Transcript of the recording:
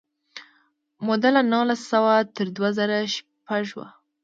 موده له نولس سوه تر دوه زره شپږ وه.